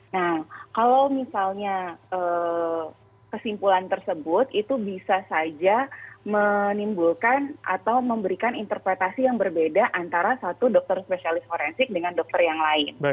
nah kalau misalnya kesimpulan tersebut itu bisa saja menimbulkan atau memberikan interpretasi yang berbeda antara satu dokter spesialis forensik dengan dokter yang lain